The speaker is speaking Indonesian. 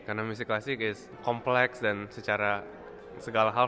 karena musik klasik is complex dan secara segala hal